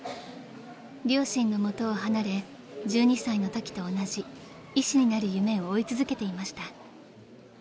［両親の元を離れ１２歳のときと同じ医師になる夢を追い続けていました］